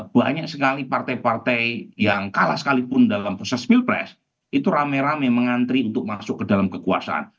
banyak sekali partai partai yang kalah sekalipun dalam proses pilpres itu rame rame mengantri untuk masuk ke dalam kekuasaan